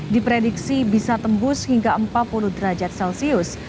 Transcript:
diprediksi bisa tembus hingga empat puluh derajat celcius